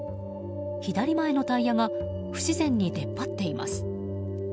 左前のタイヤが不自然に出っ張っています。